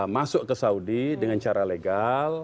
masuk ke saudi dengan cara legal